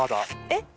えっ。